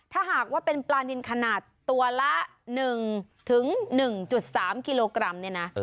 ถ้าหากว่าเป็นปลานินขนาดตัวละ๑๑๓กิโลกรัมเนี่ยนะ